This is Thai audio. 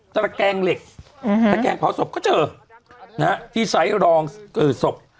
ตระแกงเหล็กตระแกงเผาศพก็เจอนะฮะที่ใช้รองคือศพ